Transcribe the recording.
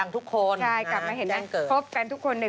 ตอนที่เขาสีหัวใจถึงเขา